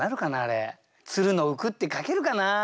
「蔓の浮く」って書けるかな？